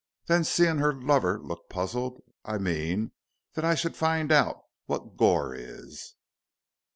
Then seeing her lover look puzzled, "I mean, that I should find out what goor is?"